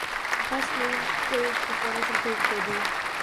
Past main stage performers include k.d.